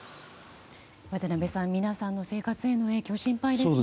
渡辺さん皆さんの生活の影響心配ですね。